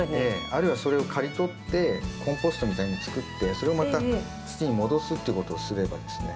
あるいはそれを刈り取ってコンポストみたいに作ってそれをまた土に戻すっていうことをすればですね